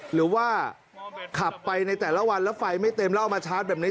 หรือว่าขับไปในแต่ละวันแล้วไฟไม่เต็มแล้วเอามาชาร์จแบบนี้